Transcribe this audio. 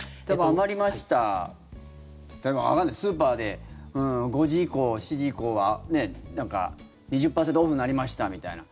余りましたスーパーで５時以降、７時以降は２０％オフになりましたみたいな